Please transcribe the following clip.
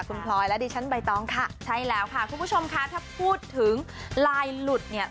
คุณปลอยและดิฉันใบต้องเมื่อกี้ถ้าพูดถึงลายหลุดเนี่ย